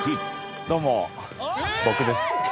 どうも僕です。